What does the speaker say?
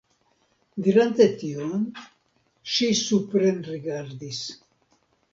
Dirante tion, ŝi suprenrigardis.